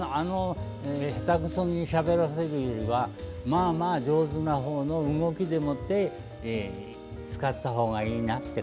下手くそにしゃべらせるよりはまあまあ上手なほうの動きでもって使ったほうがいいなって。